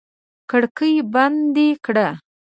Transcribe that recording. کړکۍ بندې کړه!